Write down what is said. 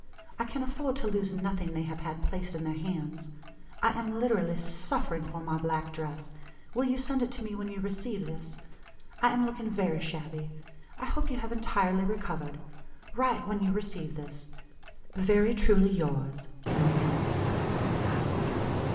I can afford to lose nothing they have had placed in their hands. I am literally suffering for my black dress. Will you send it to me when you receive this? I am looking very shabby. I hope you have entirely recovered. Write when you receive this. "Very truly yours, M. L."